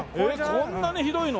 こんなに広いの？